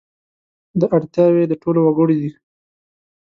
دا اړتیاوې د ټولو وګړو دي.